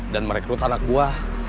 dan merekrut anak gue